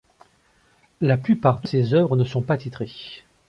La plupart de ses œuvres ne sont pas titrées.